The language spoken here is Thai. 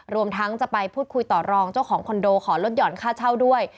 รวมทั้งจะไปพูดคุยต่อรองเจ้าของคอนโดขอลดหย่อนค่าเช่าด้วย